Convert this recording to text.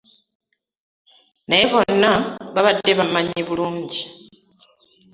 Naye bonna babadde bammanyi bulungi.